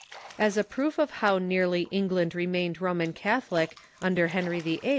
As a proof of how nearly Eng land remained Roman Catholic under Henry VIII.